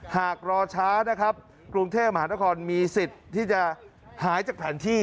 หากรอช้านะครับกรุงเทพมหานครมีสิทธิ์ที่จะหายจากแผนที่